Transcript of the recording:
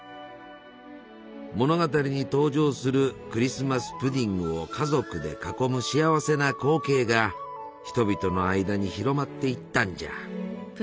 物語に登場するクリスマス・プディングを家族で囲む幸せな光景が人々の間に広まっていったんじゃ。